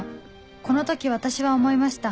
この時私は思いました